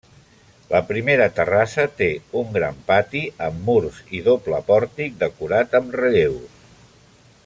La primera terrassa té un gran pati amb murs i doble pòrtic decorat amb relleus.